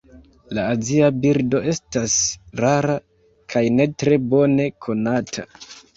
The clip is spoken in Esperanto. La azia birdo estas rara kaj ne tre bone konata.